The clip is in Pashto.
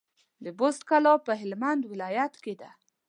د بُست کلا په هلمند ولايت کي ده